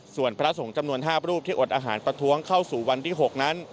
ส่วนพระสงฆ์จำนวน๕รูปที่อดอาหารประท้วงเข้าสู่วันที่๖นั้น